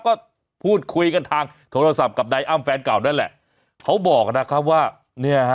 ก็พูดคุยกันทางโทรศัพท์กับนายอ้ำแฟนเก่านั่นแหละเขาบอกนะครับว่าเนี่ยฮะ